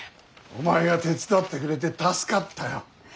お前が手伝ってくれて助かったよ。